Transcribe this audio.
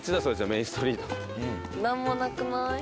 メインストリートなんもなくない？